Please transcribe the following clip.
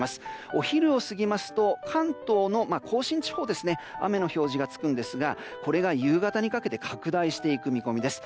お昼を過ぎますと関東の甲信地方に雨の表示が付くんですがこれが夕方にかけて拡大していく見込みです。